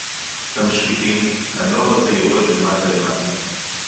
המשחיתים, הנוער הזה יורד למטה-למטה